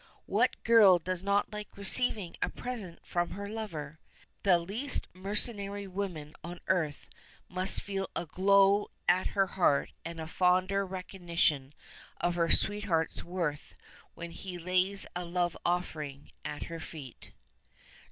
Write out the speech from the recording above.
What girl does not like receiving a present from her lover? The least mercenary woman on earth must feel a glow at her heart and a fonder recognition of her sweetheart's worth when he lays a love offering at her feet.